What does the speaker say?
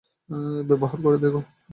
ব্যবহার করে দেখো।